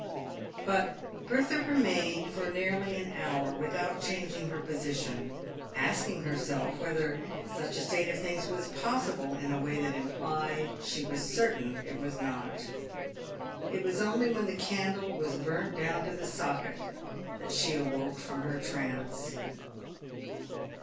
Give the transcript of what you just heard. But Bertha remained for nearly an hour without changing her position, asking herself whether such a state of things was possible in a way that implied she was certain it was not. It was only when the candle was burnt down to the socket that she awoke from her trance.